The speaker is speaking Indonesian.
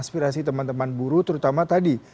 aspirasi teman teman buruh terutama tadi